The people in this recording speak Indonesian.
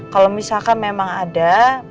kalo misalkan memang ada